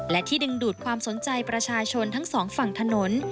และที่ดึงดูดความสนใจประชาชนทั้งสองฝั่งถนน